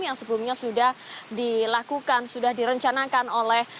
yang sebelumnya sudah dilakukan sudah direncanakan oleh